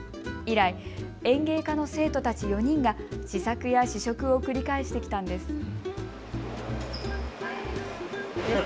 以来、園芸科の生徒たち４人が試作や試食を繰り返してきたんです。